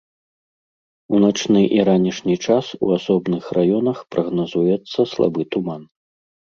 У начны і ранішні час у асобных раёнах прагназуецца слабы туман.